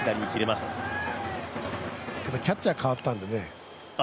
ただキャッチャーが代わったんでね。